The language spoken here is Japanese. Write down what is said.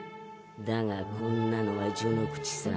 だがこんなのは序の口さ。